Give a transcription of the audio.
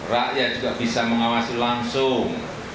rakyat juga bisa mengawasi langsung